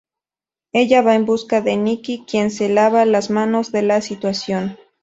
Ella va en busca de Nicky quien se lava las manos de la situación.